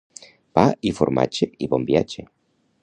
Pa i formatge i bon viatge.